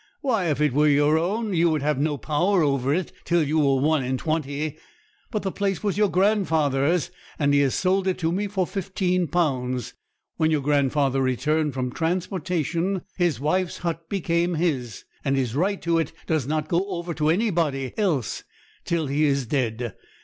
Why, if it were your own, you would have no power over it till you are one and twenty. But the place was your grandfather's, and he has sold it to me for £15. When your grandfather returned from transportation his wife's hut became his; and his right to it does not go over to anybody else till he is dead.